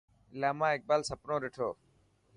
علامه اقبال سپنو ڏٺو.